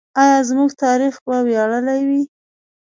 آیا زموږ تاریخ به ویاړلی وي؟